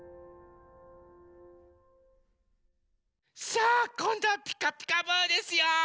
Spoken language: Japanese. さあこんどは「ピカピカブ！」ですよ。